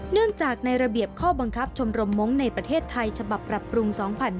เนื่องจากในระเบียบข้อบังคับชมรมมงค์ในประเทศไทยฉบับปรับปรุง๒๕๕๙